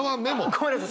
ごめんなさい！